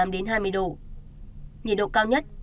đến hai mươi độ nhiệt độ cao nhất